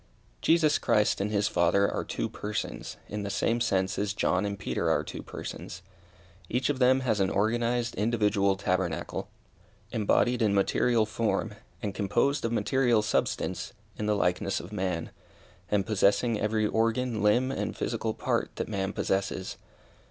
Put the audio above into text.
Jesus Christ and his Father are two persons, in the same sense as John and Peter are two persons. Each of them has an organized, individual tabernacle, embodied in material form, and composed of material substance, in the likeness of man, and possessing every organ, limb, and physical part that man possesses.